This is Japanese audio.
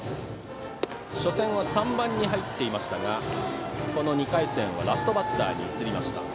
初戦は３番に入っていましたがこの２回戦はラストバッターに移りました。